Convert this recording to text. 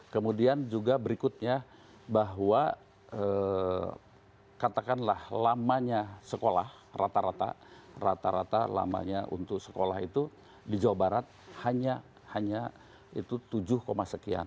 kemudian juga berikutnya bahwa katakanlah lamanya sekolah rata rata lamanya untuk sekolah itu di jawa barat hanya itu tujuh sekian